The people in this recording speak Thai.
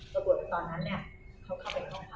ระบวนตอนนั้นเนี่ยเขาเข้าไปห้องค่ะ